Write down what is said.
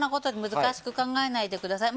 難しく考えないでください。